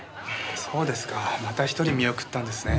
そうですかまた１人見送ったんですね。